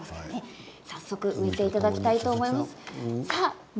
早速むいていただきたいと思います。